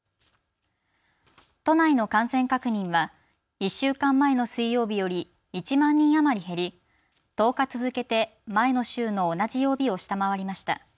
都内の感染確認は１週間前の水曜日より１万人余り減り１０日続けて前の週の同じ曜日を下回りました。